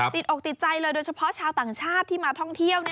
ติดอกติดใจเลยโดยเฉพาะชาวต่างชาติที่มาท่องเที่ยว